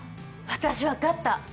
私、分かった。